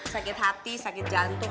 sakit hati sakit jantung